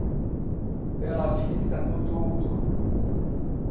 Bela Vista do Toldo